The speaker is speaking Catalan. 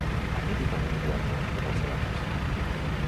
Ha rebut algun guardó per la seva tasca?